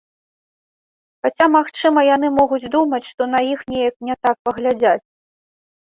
Хаця магчыма яны могуць думаць, што на іх неяк не так паглядзяць.